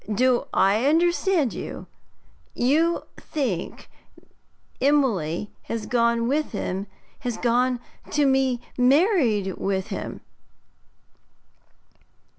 'Do I understand you? You think Emily has gone with him has gone to be married to him?'